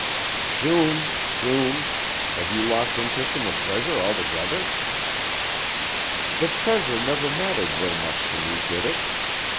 "Soon. Soon. Have you lost interest in the treasure altogether?" "The treasure never mattered very much to me, did it?